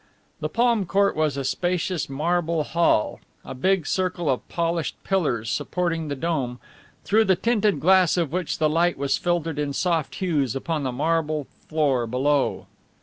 The palm court was a spacious marble hall, a big circle of polished pillars supporting the dome, through the tinted glass of which the light was filtered in soft hues upon the marble floor below.